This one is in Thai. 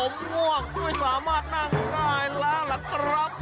ผมง่วงด้วยสามารถนั่งได้แล้วล่ะครับ